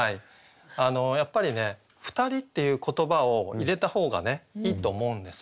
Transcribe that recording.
やっぱりね「ふたり」っていう言葉を入れた方がいいと思うんですよね。